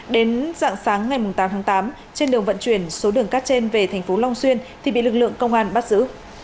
đến dạng sáng ngày tám tháng tám trên đường vận chuyển số đường cát trên về thành phố long xuyên thì bị lực lượng công an bắt giữ